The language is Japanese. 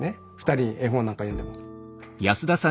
２人に絵本なんかを読んでも。